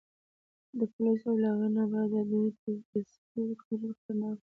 د پولیسو او له هغې نه بد د دوی د سپیو کنترول خطرناک و.